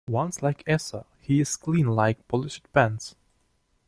One's like Eesa: he's clean like polished pans.